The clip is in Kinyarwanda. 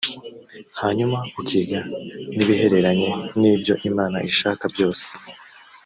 hanyuma ukiga n’ibihereranye n’ibyo imana ishaka byose